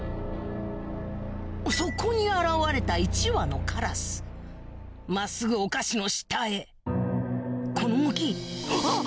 そこに現れた１羽のカラス真っすぐお菓子の下へこの動きあっ